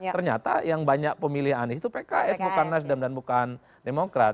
ternyata yang banyak pemilih anies itu pks bukan nasdem dan bukan demokrat